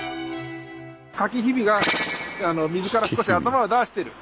かきひびが水から少し頭を出してる。